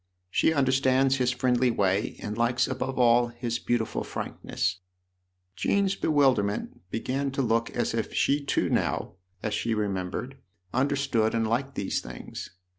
" She understands his friendly way and likes above all his beautiful frankness." THE OTHER HOUSE 15 Jean's bewilderment began to look as if she too now, as she remembered, understood and liked these things.